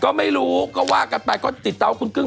ก็ไม่รู้ก็ว่ากันไปก็ติดเตาคุณกึ้ง